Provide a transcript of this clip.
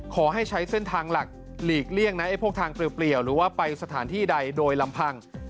ขอให้ใช้เส้นทางหลักหลีกเลี่ยงนะไอ้พวกทางเปลี่ยวหรือว่าไปสถานที่ใดโดยลำพัง